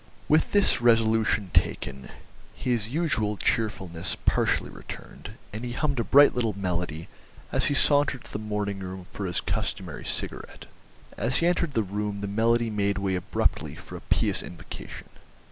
With this resolution taken, his usual cheerfulness partially returned, and he hummed a bright little melody as he sauntered to the morning room for his customary cigarette. As he entered the room the melody made way abruptly for a pious invocation.